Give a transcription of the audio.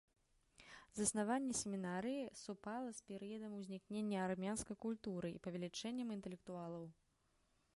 Заснаванне семінарыі супала з перыядам узнікнення армянскай культуры і павелічэннем інтэлектуалаў.